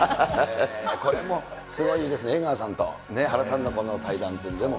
これもすごいですね、江川さんとね、原さんのこの対談というのも。